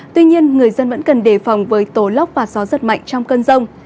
tuy nhiên người dân vẫn cần đề phòng với tổ lóc và gió rất mạnh trong cơn rông